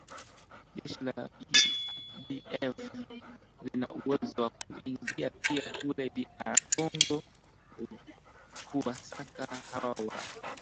jeshi la updf lina uwezo wa kuingia pia kule dr congo kuwasaka hawa wa